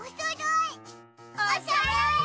おそろい！